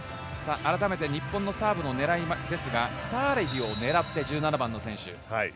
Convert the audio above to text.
あらためて日本のサーブの狙いですが、サーレヒを狙って１７番です。